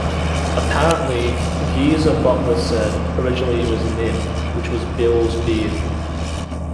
Apparently, Geezer Butler said: Originally it was Nib, which was Bill's beard.